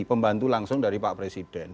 pembantu langsung dari pak presiden